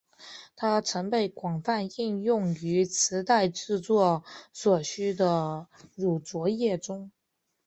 它曾被广泛应用于磁带制作所需的乳浊液中。